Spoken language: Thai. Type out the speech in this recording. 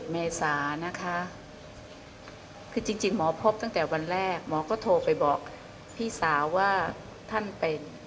เมษานะคะคือจริงหมอพบตั้งแต่วันแรกหมอก็โทรไปบอกพี่สาวว่าท่านเป็น